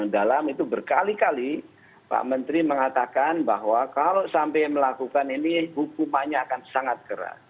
dalam itu berkali kali pak menteri mengatakan bahwa kalau sampai melakukan ini hukumannya akan sangat keras